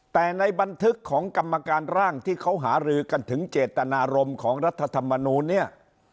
แต่ในบันทึกของกรรมการร่างที่เขาหารือกันถึงเจตนารมณ์ของรัฐธรรมนูลเนี่ย